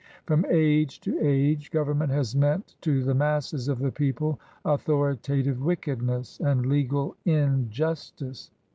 From age to age gov ernment has meant to the masses of the people authori tative wickedness and legal injustice.